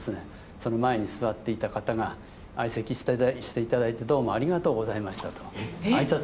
その前に座っていた方が「相席して頂いてどうもありがとうございました」と挨拶して下さったと。